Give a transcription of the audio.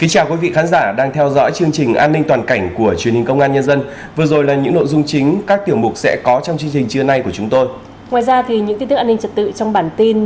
hãy đăng ký kênh để ủng hộ kênh của chúng mình nhé